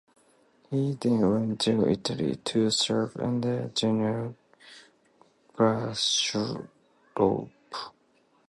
He then went to Italy, to serve under General Chasseloup.